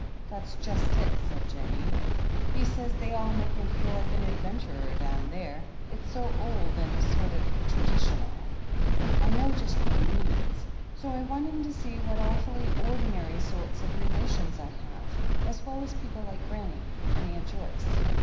"That's just it," said Jennie. "He says they all make him fed like an adventurer down there — ^it's so old and — ^and sort of traditional. I know just what he means. So I want him to see what awfully ordinary THE HEEL OF ACHILLES 427 sorts of relations I have, as well as people lik^ Grannie and Aunt Joyce."